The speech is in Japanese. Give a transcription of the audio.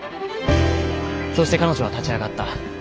そして彼女は立ち上がった。